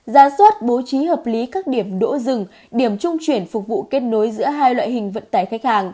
ra soát bố trí hợp lý các điểm đỗ rừng điểm trung chuyển phục vụ kết nối giữa hai loại hình vận tải khách hàng